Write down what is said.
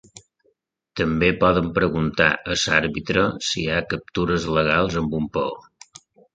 També poden preguntar a l'àrbitre si hi ha captures legals amb un peó.